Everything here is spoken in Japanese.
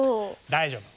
大丈夫。